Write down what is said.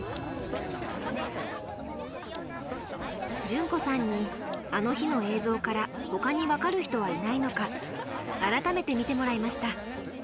純子さんに「あの日」の映像からほかに分かる人はいないのか改めて見てもらいました。